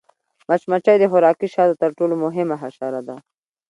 مچمچۍ د خوراکي شاتو تر ټولو مهمه حشره ده